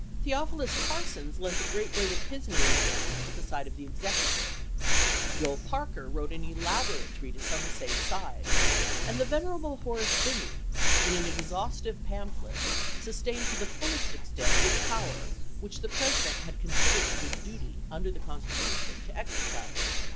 Theophilus Parsons lent the great weight of his name and learning to the side of the Executive ; Joel Parker wi'ote an ela borate treatise on the same side ; and the venerable Horace Binney, in an exhaustive pamphlet, sustained to the fullest extent this power which the President had considered it his duty under the Constitution to exercise.